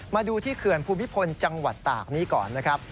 มาดูที่เขื่อนภูมิพลจังหวัดตากนี้ก่อนนะครับ